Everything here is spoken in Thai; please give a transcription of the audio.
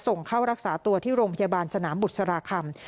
เข้ารักษาตัวที่โรงพยาบาลสนามบุษราคำ